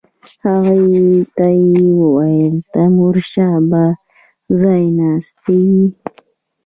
هغوی ته یې وویل تیمورشاه به ځای ناستی وي.